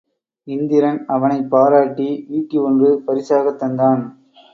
இந்திரன் அவனைப் பாராட்டி ஈட்டி ஒன்று பரிசாகத் தந்தான்.